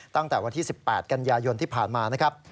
ตั้งแต่วันที่๑๘กันยายนที่ผ่านมานะครับ